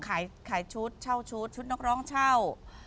ขายชุดเช่าชุดชุดนักร้องเช่า